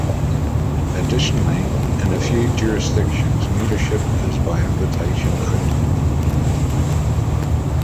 Additionally, in a few jurisdictions membership is by invitation only.